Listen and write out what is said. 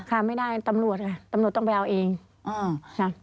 ค่ะไม่ได้ตำรวจค่ะตำรวจต้องไปเอาเองอ่าจ้ะ